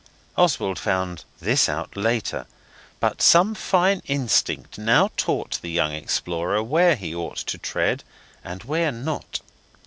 Oswald found this out later, but some fine instinct now taught the young explorer where he ought to tread and where not.